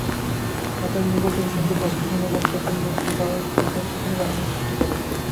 তাহাদের নিকট ঐ সঙ্গীত অর্থহীন এবং সেজন্য উহার সম্পর্কে কোন কাহিনী সৃষ্টি করে।